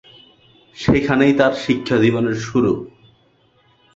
সেখানেই তার শিক্ষাজীবনের শুরু।